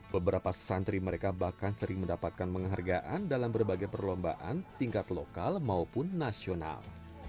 beberapa santri mereka bahkan sering mendapatkan penghargaan dalam berbagai perlombaan tingkat lokal maupun nasional